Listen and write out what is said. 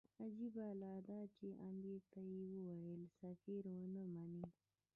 عجیبه لا دا چې امیر ته یې وویل سفیر ونه مني.